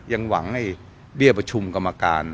ยังหวังไอ้เบี้ยประชุมกรรมการ